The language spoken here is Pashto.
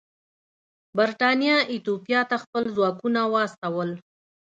برېټانیا ایتوپیا ته خپل ځواکونه واستول.